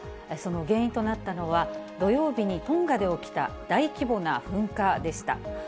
その原因となったのは、土曜日にトンガで起きた大規模な噴火でした。